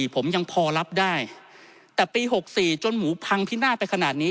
ผมยังพอรับได้แต่ปี๖๔จนหมูพังพินาศไปขนาดนี้